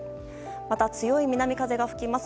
また強い南風が吹きます。